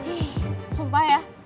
ih sumpah ya